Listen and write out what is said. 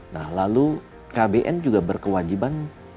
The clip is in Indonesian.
nah lalu kbn juga berkewajiban